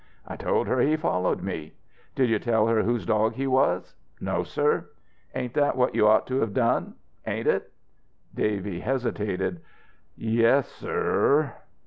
"I told her he followed me." "Did you tell her whose dog he was? "No, sir." "Ain't that what you ought to have done? Ain't it?" Davy hesitated. "Yes, sir."